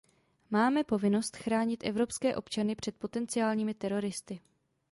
Máme povinnost chránit evropské občany před potenciálními teroristy.